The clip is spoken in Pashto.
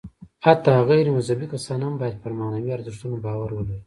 حتی غیر مذهبي کسان هم باید پر معنوي ارزښتونو باور ولري.